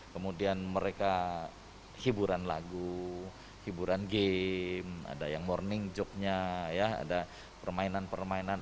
kemudian mereka hiburan lagu hiburan game ada yang morning joke nya ya ada permainan permainan